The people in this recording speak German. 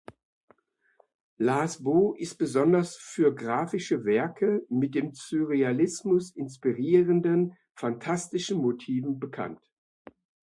Lars Bo ist besonders für grafische Werke mit vom Surrealismus inspirierten phantastischen Motiven bekannt.